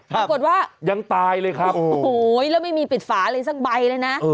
ปรากฏว่ายังตายเลยครับโอ้โหแล้วไม่มีปิดฝาเลยสักใบเลยนะ